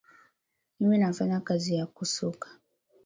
mimi nafanya kazi ya kusuka